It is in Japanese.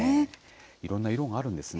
いろんな色があるんですね。